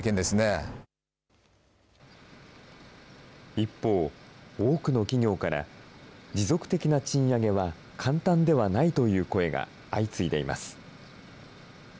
一方、多くの企業から、持続的な賃上げは簡単ではないという声が相次いでいます。